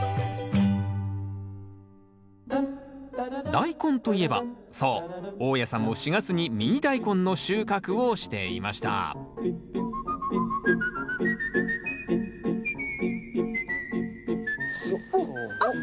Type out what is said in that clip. ダイコンといえばそう大家さんも４月にミニダイコンの収穫をしていましたあっ